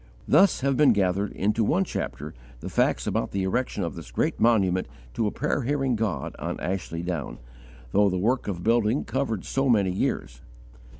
Thus have been gathered, into one chapter, the facts about the erection of this great monument to a prayer hearing God on Ashley Down, though the work of building covered so many years.